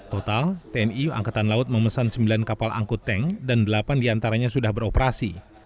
total tni angkatan laut memesan sembilan kapal angkut tank dan delapan diantaranya sudah beroperasi